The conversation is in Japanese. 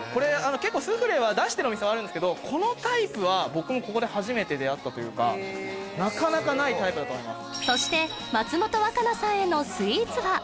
結構スフレは出してるお店はあるんですけどこのタイプは僕もここで初めて出会ったというかなかなかないタイプだと思いますそしてうわ